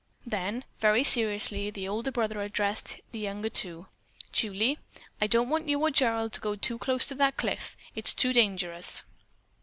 Then, very seriously, the older brother addressed the younger two. "Julie, I don't want you or Gerald to go close to that cliff. It's too dangerous."